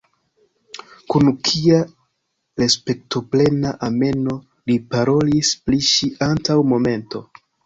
Kun kia respektoplena amemo li parolis pri ŝi antaŭ momento.